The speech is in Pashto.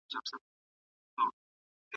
ماشوم اوس لوستل کوي.